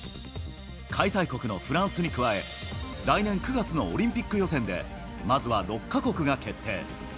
開催国のフランスに加え、来年９月のオリンピック予選で、まずは６か国が決定。